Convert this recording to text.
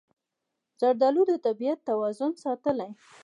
زردالو د طبیعت توازن ساتي.